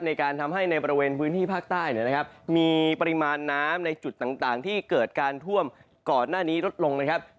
ในการทำให้ในบริเวณพื้นที่ภาคใต้นะครับมีปริมาณน้ำในจุดต่างที่เกิดการท่วมก่อนหน้านี้ลดลงนะครับ